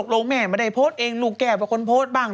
ลงแม่ไม่ได้โพสต์เองลูกแก้วเป็นคนโพสต์บ้าง